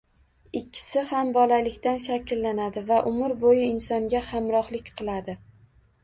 Ikkisi ham bolalikdan shakllanadi va umr bo`yi insonga hamrohlik qiladi